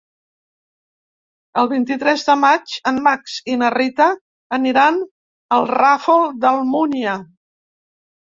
El vint-i-tres de maig en Max i na Rita aniran al Ràfol d'Almúnia.